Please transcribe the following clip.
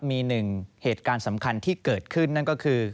มีหนึ่งเหตุการณ์สำคัญที่เกิดขึ้นนั่นก็คือ